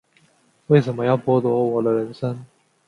为什么要剥夺我的人生